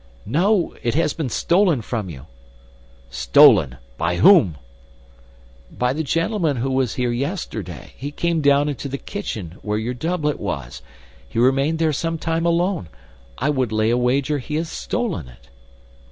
"No, it has been stolen from you." "Stolen? By whom?" "By the gentleman who was here yesterday. He came down into the kitchen, where your doublet was. He remained there some time alone. I would lay a wager he has stolen it."